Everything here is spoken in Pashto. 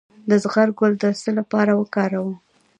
د زغر ګل د څه لپاره وکاروم؟